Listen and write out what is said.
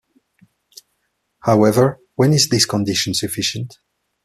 However, when is this condition sufficient?